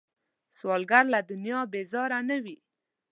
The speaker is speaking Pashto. سوالګر له دنیا بیزاره نه وي